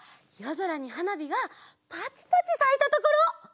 ぞらにはなびがパチパチさいたところ！